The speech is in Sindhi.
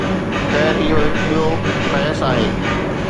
خير، اهو هڪ ٻيو بحث آهي.